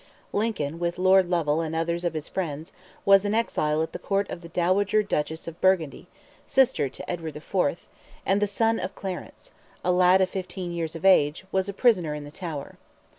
Lincoln, with Lord Lovell and others of his friends, was in exile at the court of the dowager Duchess of Burgundy, sister to Edward IV.; and the son of Clarence—a lad of fifteen years of age—was a prisoner in the Tower.